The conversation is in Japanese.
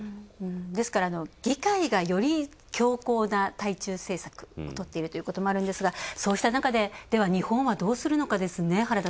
ですから、議会が、より強硬な対中政策をとっているということもあるんですが、そうした中で日本はどうするのかですね。